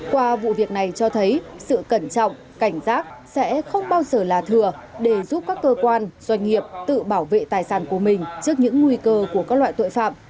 qua vụ việc này cho thấy sự cẩn trọng cảnh giác sẽ không bao giờ là thừa để giúp các cơ quan doanh nghiệp tự bảo vệ tài sản của mình trước những nguy cơ của các loại tội phạm